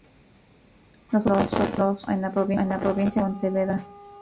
Los otros dos los obtuvo en la provincia de Pontevedra.